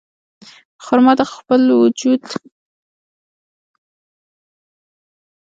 خرما د وجود د داخلي سیستمونو تنظیموي.